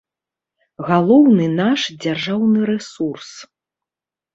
Галоўны наш дзяржаўны рэсурс.